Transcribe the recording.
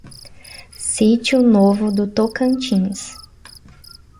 Sítio Novo do Tocantins